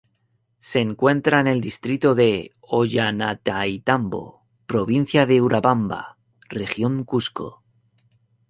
Se encuentra en el distrito de Ollantaytambo, provincia de Urubamba, región Cusco.